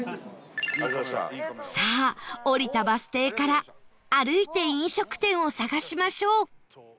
さあ降りたバス停から歩いて飲食店を探しましょう